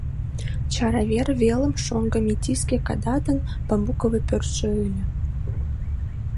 Чара вер велым шоҥго метиске Кадатын бамбуковый пӧртшӧ ыле.